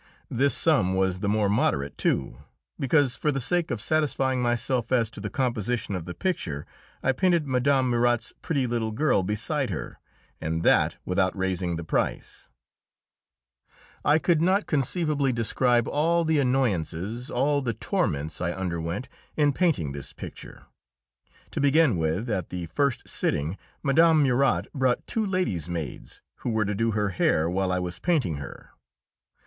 This sum was the more moderate, too, because, for the sake of satisfying myself as to the composition of the picture, I painted Mme. Murat's pretty little girl beside her, and that without raising the price. [Illustration: GENEVIÈVE ADÉLAÏDE HELVETIUS, COUNTESS D'ANDLAU.] I could not conceivably describe all the annoyances, all the torments I underwent in painting this picture. To begin with, at the first sitting, Mme. Murat brought two lady's maids, who were to do her hair while I was painting her.